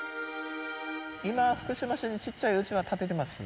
今は福島市に小っちゃいうちは建ててます。